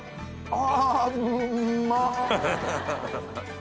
あ。